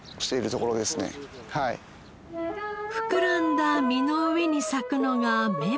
膨らんだ実の上に咲くのが雌花。